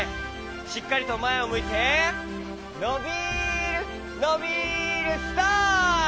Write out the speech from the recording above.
しっかりとまえをむいてのびるのびるストップ！